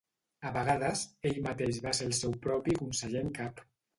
A vegades, ell mateix va ser el seu propi Conseller en Cap.